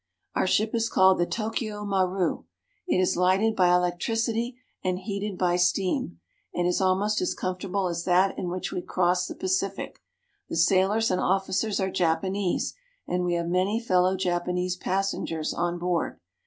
Our ship is called the Tokyo Maru. It is lighted by electricity and heated by steam, and is almost as comfort able as that in which we crossed the Pacific. The sailors and officers are Japanese, and we have many fellow Japanese passengers on board.